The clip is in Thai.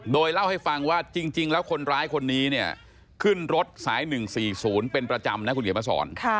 โดยเล่าให้ฟังว่าจริงแล้วคนร้ายคนนี้เนี่ยขึ้นรถสาย๑๔๐เป็นประจำนะคุณเขียนมาสอน